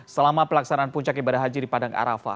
selama pelaksanaan puncak ibadah haji di padang arafah